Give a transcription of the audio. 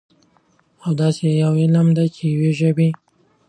او داسي يوه علم ده، چې د يوي ژبې